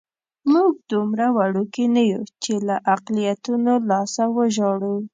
موږ دومره وړوکي نه یو چې له اقلیتونو لاسه وژاړو.